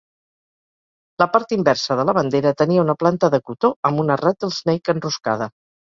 La part inversa de la bandera tenia una planta de cotó amb una rattlesnake enroscada.